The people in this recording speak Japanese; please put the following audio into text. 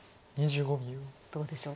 どうでしょうか。